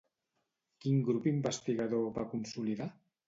Quin grup investigador va consolidar?